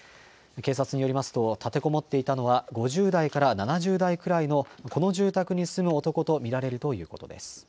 警察によりますと立てこもっていたのは５０代から７０代くらいのこの住宅に住む男と見られるということです。